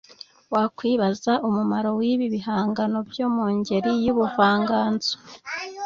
Wakwibaza umumaro w’ibi bihangano byo mu ngeri y’ubuvangazo